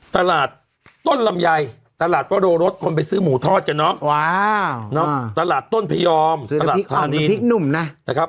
ตลาดต้นลำไยตลาดปะโดรสคนไปซื้อหมูทอดเนอะตลาดต้นพิยออมตลาดพิกนุ่มนะ